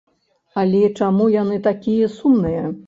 Але чаму яны такія сумныя?